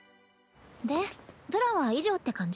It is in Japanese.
プランは以上って感じ？